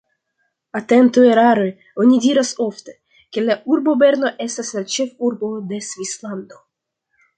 Atentu erare oni diras ofte, ke la urbo Berno estas la ĉefurbo de Svislando.